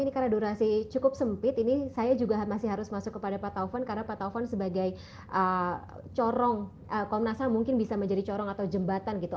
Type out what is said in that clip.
ini karena durasi cukup sempit ini saya juga masih harus masuk kepada pak taufan karena pak taufan sebagai corong komnas ham mungkin bisa menjadi corong atau jembatan gitu